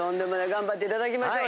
頑張っていただきましょう。